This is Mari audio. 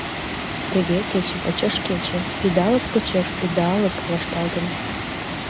Тыге кече почеш кече, идалык почеш идалык вашталтын.